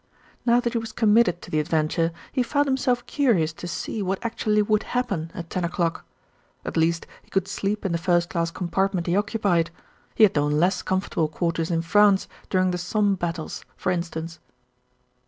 Now ^that he was committed to the adventure, he found himself curious to see what actually would hap pen at ten o'clock. At least he could sleep in the first class compartment he occupied. He had known less comfortable quarters in France, during the Somme battles for instance.